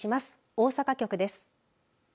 大阪局です。